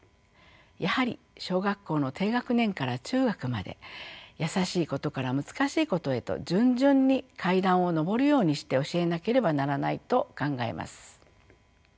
やはり小学校の低学年から中学まで易しいことから難しいことへと順々に階段を上るようにして教えなければならないと考えます。